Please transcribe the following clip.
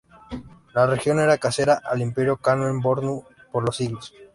La región era casera al Imperio Kanem-Bornu por los siglos.